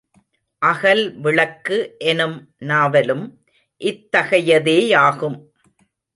அகல் விளக்கு எனும் நாவலும் இத்தகையதேயாகும்.